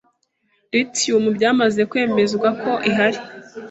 Lithium byamaze kwemezwa ko ihari